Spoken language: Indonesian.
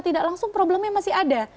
tidak langsung problemnya masih ada